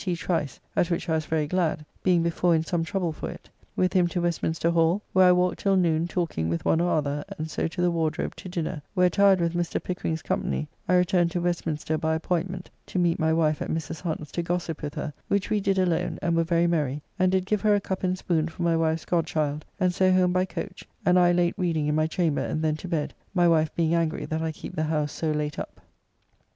Trice, at which I was very glad, being before in some trouble for it. With him to Westminster Hall, where I walked till noon talking with one or other, and so to the Wardrobe to dinner, where tired with Mr. Pickering's company I returned to Westminster, by appointment, to meet my wife at Mrs. Hunt's to gossip with her, which we did alone, and were very merry, and did give her a cup and spoon for my wife's god child, and so home by coach, and I late reading in my chamber and then to bed, my wife being angry that I keep the house so late up.